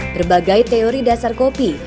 berbagai teori dasar kopi